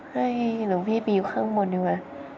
เห้ยหลวงพี่บีวข้างบนดิวะ